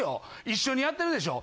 一緒にやってるでしょ。